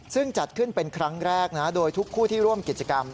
ซึ่งจัดขึ้นเป็นครั้งแรกนะโดยทุกคู่ที่ร่วมกิจกรรม